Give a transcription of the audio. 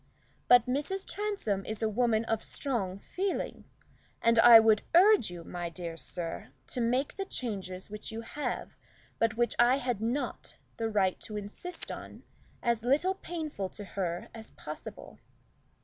But Mrs. Transome is a woman of strong feeling, and I would urge you, my dear sir, to make the changes which you have, but which I had not the right to insist on, as little painful to her as possible."